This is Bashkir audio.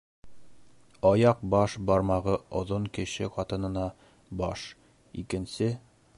Аяҡ баш бармағы оҙон кеше ҡатынына баш, икенсе